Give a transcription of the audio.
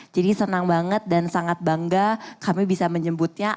jadi senang banget dan sangat bangga kami bisa menyebutnya